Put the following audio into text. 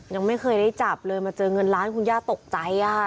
ยังไม่เคยได้จับเลยมาเจอเงินล้านคุณย่าตกใจ